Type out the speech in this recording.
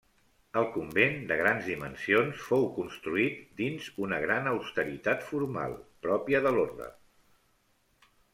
El convent, de grans dimensions, fou construït dins una gran austeritat formal, pròpia de l'orde.